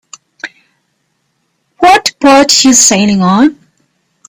What boat you sailing on?